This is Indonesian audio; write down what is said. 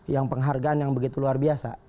yang penghargaan yang begitu luar biasa